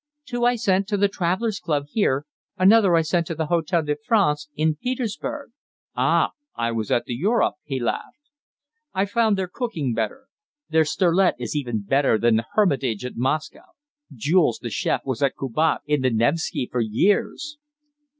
"Two I sent to the Travellers' Club, here. Another I sent to the Hôtel de France, in Petersburg." "Ah! I was at the Europe," he laughed. "I find their cooking better. Their sterlet is even better than the Hermitage at Moscow. Jules, the chef, was at Cubat's, in the Nevski, for years."